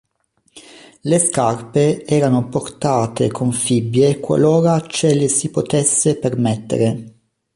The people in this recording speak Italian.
Le scarpe erano portate con fibbie qualora ce le si potesse permettere.